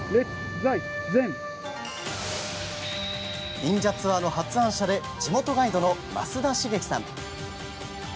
忍者ツアーの発案者で地元ガイドの増田成樹さん。